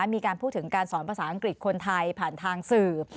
มีการพูดถึงการสอนภาษาอังกฤษคนไทยผ่านทางสื่อ